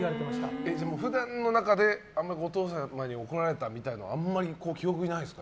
でも普段の中であんまりお父様に怒られたみたいなのはあまり記憶にないですか？